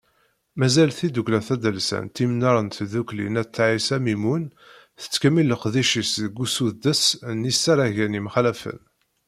Mazal tidukkla tadelsant Imnar n Tdukli n At Ɛisa Mimun, tettkemmil leqdic-is deg usuddes n yisaragen yemxalafen.